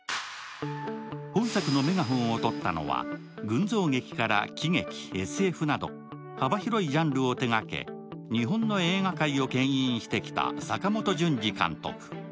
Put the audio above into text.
本作のメガホンをとったのは群像劇から喜劇、ＳＦなど幅広いジャンルを手掛け、日本の映画界を牽引してきた阪本順治監督。